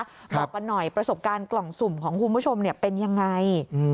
บอกกันหน่อยประสบการณ์กล่องสุ่มของคุณผู้ชมเป็นยังไง